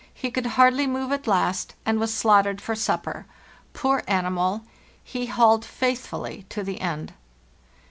He could hardly move at last, and was slaughtered for supper. Poor animal. He hauled faithfully to the end.